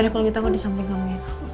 jangan lupa kita kok di samping kamu